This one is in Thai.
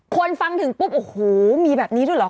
คนฟังถึงปุ๊บโอ้โฮมีแบบนี้ดูหรอ